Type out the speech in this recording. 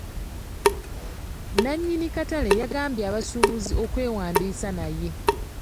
Nannyini katale yagamba abasuubuzi okwewandiisa naye.